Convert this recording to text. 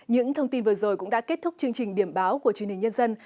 những thông tin vừa rồi cũng đã kết thúc chương trình điểm báo của truyền hình nhân dân